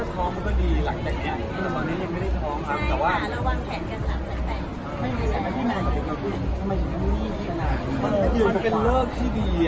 เริ่มมีบี้หล่ามันเป็นเรื่องที่ดี